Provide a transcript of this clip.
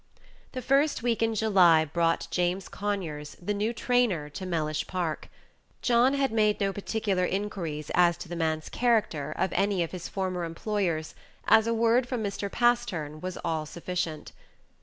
The first week in July brought James Conyers, the new trainer, to Mellish Park. John had made no particular inquiries as to the man's character of any of his former employers, as a word from Mr. Pastern was all sufficient.